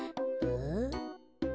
ん？